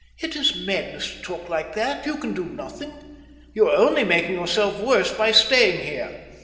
"It is madness to talk like that. You can do nothing. You are only making yourself worse by staying here."